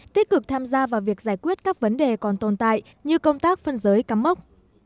tích cực tham gia vào việc giải quyết các vấn đề còn tồn tại như công tác phân giới cắm mốc